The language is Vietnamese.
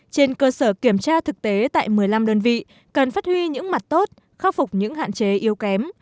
trên cơ sở kiểm tra thực tế tại một mươi năm đơn vị cần phát huy những mặt tốt khắc phục những hạn chế yếu kém